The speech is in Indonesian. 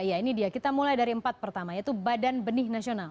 ya ini dia kita mulai dari empat pertama yaitu badan benih nasional